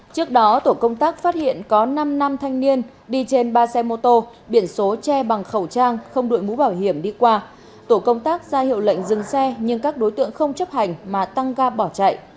trước đó tổ công tác phát hiện có năm năm thanh niên đi trên ba xe mô tô biển số che bằng khẩu trang không đuổi mũ bảo hiểm đi qua tổ công tác ra hiệu lệnh dừng xe nhưng các đối tượng không chấp hành mà tăng ga bỏ chạy